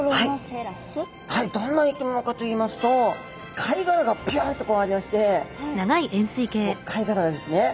はいどんな生き物かといいますと貝殻がピュッとありまして貝殻がですね。